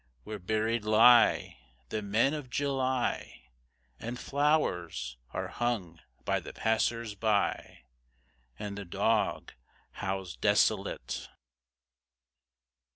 Where buried lie the men of July, And flowers are hung by the passers by, And the dog howls desolate.